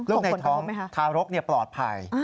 โรคผลแนะนำไหมคะลูกในท้องทารกเปราะภัย